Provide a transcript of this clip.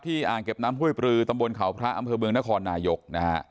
อ่างเก็บน้ำห้วยปลือตำบลเขาพระอำเภอเมืองนครนายกนะฮะ